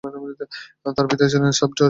তার পিতার ছিলেন সাব-জজ।